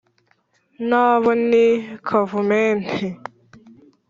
Nabo ni Kavumenti,